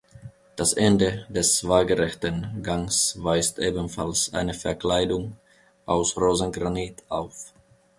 Das Ende des waagerechten Gangs weist ebenfalls eine Verkleidung aus Rosengranit auf.